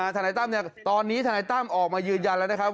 ทนายตั้มตอนนี้ทนายตั้มออกมายืนยันแล้วนะครับ